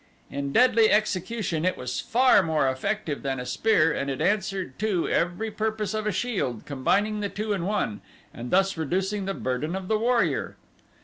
In deadly execution it was far more effective than a spear and it answered, too, every purpose of a shield, combining the two in one and thus reducing the burden of the warrior.